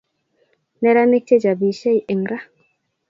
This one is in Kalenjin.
Neranik che chapisiei eng ra